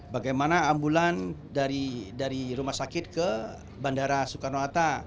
bagaimana ambulan dari rumah sakit ke bandara soekarno hatta